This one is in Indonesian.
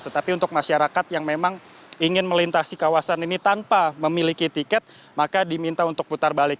tetapi untuk masyarakat yang memang ingin melintasi kawasan ini tanpa memiliki tiket maka diminta untuk putar balik